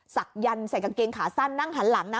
ศักยันต์ใส่กางเกงขาสั้นนั่งหันหลังนะ